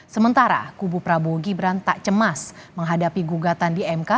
sementara kubu prabowo gibran tak cemas menghadapi gugatan di mk